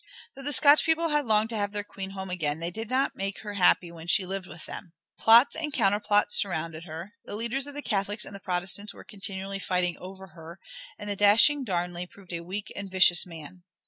Though the Scotch people had longed to have their Queen home again they did not make her happy when she lived with them. Plots and counterplots surrounded her, the leaders of the Catholics and the Protestants were continually fighting over her, and the dashing Darnley proved a weak and vicious man.